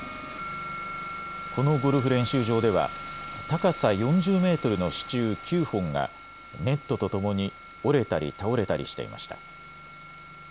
このゴルフ練習場では高さ４０メートルの支柱９本がネットとともに折れたり倒れたりしていました。